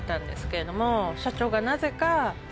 なぜか。